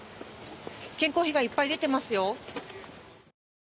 健康被害いっぱい出ていますよ。